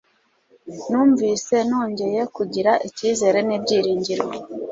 numvise nongeye kugira icyizere nibyiringiro